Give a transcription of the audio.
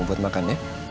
buat makan ya